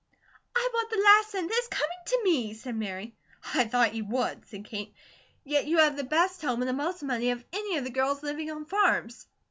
"I want the last cent that is coming to me," said Mary. "I thought you would," said Kate. "Yet you have the best home, and the most money, of any of the girls living on farms.